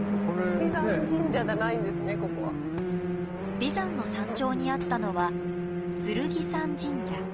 眉山の山頂にあったのは剣山神社。